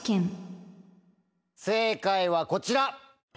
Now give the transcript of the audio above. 正解はこちら。